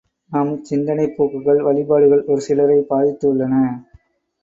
நம் சிந்தனைப் போக்குகள் வழிபாடுகள் ஒரு சிலரைப் பாதித்து உள்ளன.